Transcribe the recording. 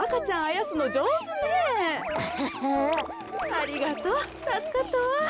ありがとうたすかったわ。